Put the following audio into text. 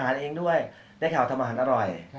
ไม่ต้องนึกดีกว่าเดี๋ยวไป